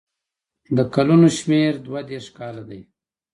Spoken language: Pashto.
د کلونو شمېر دوه دېرش کاله دی.